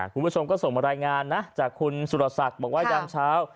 คุณผู้ชมก็ส่งมารายงานนะจากคุณสุรสัตว์บังวัยดำเช้า